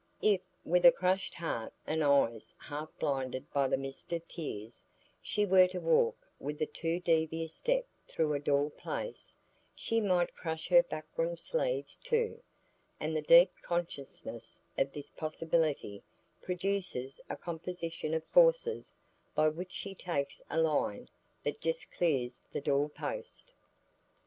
If, with a crushed heart and eyes half blinded by the mist of tears, she were to walk with a too devious step through a door place, she might crush her buckram sleeves too, and the deep consciousness of this possibility produces a composition of forces by which she takes a line that just clears the door post.